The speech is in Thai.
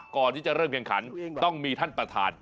ก่อนที่จะเริ่มแข่งขันต้องมีท่านประธาน